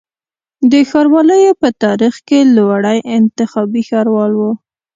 د ښاروالیو په تاریخ کي لوړی انتخابي ښاروال و